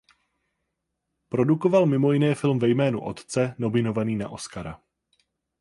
Produkoval mimo jiné film "Ve jménu otce" nominovaný na Oscara.